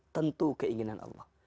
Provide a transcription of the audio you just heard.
tentu keinginan allah